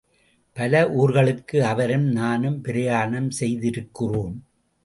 பல ஊர்களுக்கு அவரும் நானும் பிரயாணம் செய்திருக்கிறோம்.